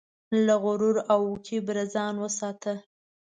له غرور او کبره ځان وساته.